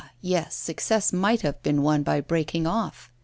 yes, success might have been won by breaking off.